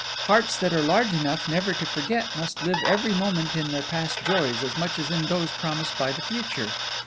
Hearts that are large enough never to forget must live every moment in their past joys as much as in those promised by the future.